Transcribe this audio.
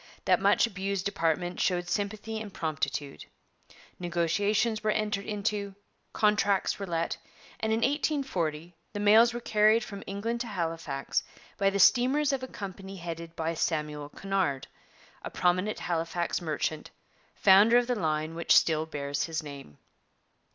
That much abused department showed sympathy and promptitude. Negotiations were entered into, contracts were let, and in 1840 the mails were carried from England to Halifax by the steamers of a company headed by Samuel Cunard, a prominent Halifax merchant, founder of the line which still bears his name.